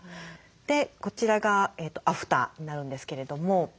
でこちらがアフターになるんですけれども。